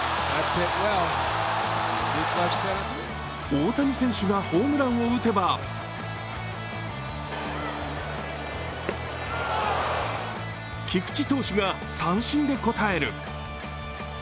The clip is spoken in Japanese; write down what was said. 大谷選手がホームランを打てば菊池投手が三振で応える。